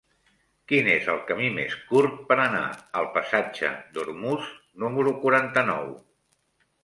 Quin és el camí més curt per anar al passatge d'Ormuz número quaranta-nou?